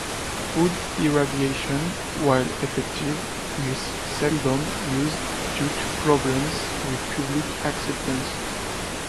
Food irradiation, while effective, is seldom used due to problems with public acceptance.